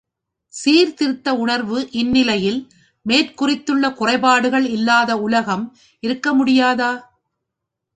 சீர்திருத்த உணர்வு இந்நிலையில், மேற் குறித்துள்ள குறைபாடுகள் இல்லாத உலகம் இருக்க முடியாதா?